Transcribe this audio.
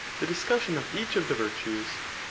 the disc^ssioa of each ijlf the virtues, let u?